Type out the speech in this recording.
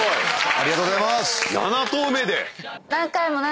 ありがとうございます！